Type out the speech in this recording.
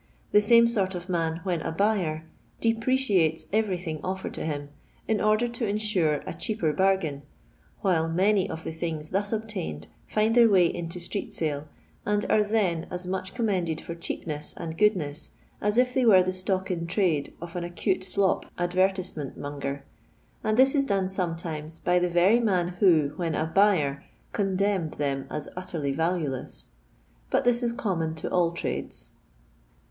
The same sort of man, when a buyer, depreciates every thing offered to him, in order to ensure a cheaper bar{^, while many of the things thus obtained find their way into street sale, and are then as much commended for cheapness and goodness, as if they were the stock in trade of an acute slop advertisement monger, and this is done sometimes by the very man who, when a buyer, condemned them as utteriy valueless. But this is common to all trades.